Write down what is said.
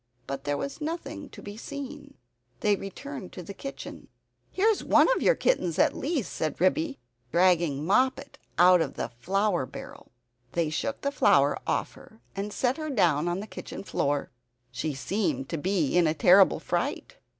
But there was nothing to be seen. They returned to the kitchen. "Here's one of your kittens at least," said Ribby, dragging Moppet out of the flour barrel. They shook the flour off her and set her down on the kitchen floor. She seemed to be in a terrible fright.